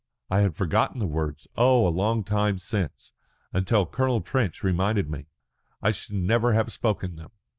"I had forgotten the words oh, a long time since until Colonel Trench reminded me. I should never have spoken them.